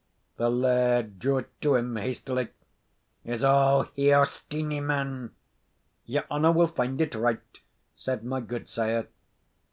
The laird drew it to him hastily. "Is all here, Steenie, man?" "Your honour will find it right," said my gudesire.